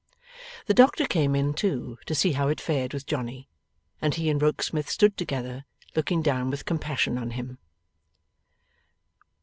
The doctor came in too, to see how it fared with Johnny. And he and Rokesmith stood together, looking down with compassion on him.